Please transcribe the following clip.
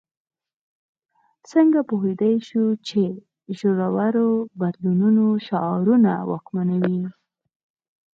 څنګه پوهېدای شو چې د ژورو بدلونونو شعارونه واکمنوي.